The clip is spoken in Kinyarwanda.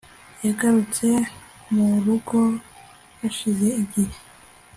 yagarutse murugo hashize igihe